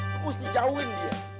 terus dijauhin dia